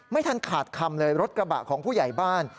ไม่ทันขาดคำเลยรถกระบะของผู้ใหญ่บ้าน